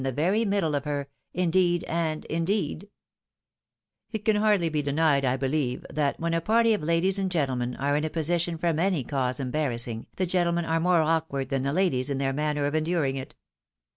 the very middle of her "Indeed and indeed —" It can hardly be denied, I believe, that, when a party of ladies and gentlemen are in a position from any cause embar rassing, the gentlemen are more awkward than the ladies in their manner of enduring it.